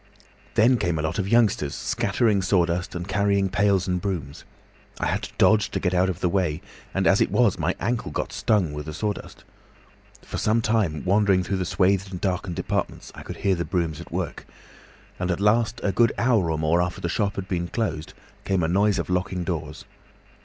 Then came a lot of youngsters scattering sawdust and carrying pails and brooms. I had to dodge to get out of the way, and as it was, my ankle got stung with the sawdust. For some time, wandering through the swathed and darkened departments, I could hear the brooms at work. And at last a good hour or more after the shop had been closed, came a noise of locking doors.